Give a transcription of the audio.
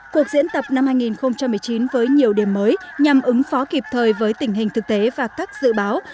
cuộc diễn tập năm hai nghìn một mươi chín với nhiều điểm mới nhằm ứng phó kịp thời với tình hình thực tế và các dự báo